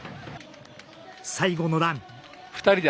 最後のラン。